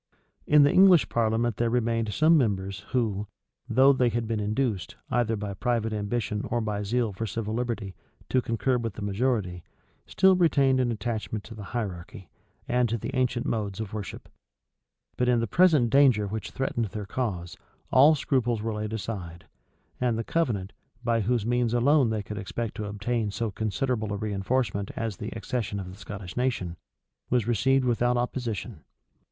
In the English parliament there remained some members who, though they had been induced, either by private ambition or by zeal for civil liberty, to concur with the majority, still retained an attachment to the hierarchy, and to the ancient modes of worship. But in the present danger which threatened their cause, all scruples were laid aside; and the covenant, by whose means alone they could expect to obtain so considerable a reënforcement as the accession of the Scottish nation, was received without opposition.